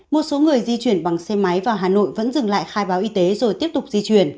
một số người di chuyển bằng xe máy vào hà nội vẫn dừng lại khai báo y tế rồi tiếp tục di chuyển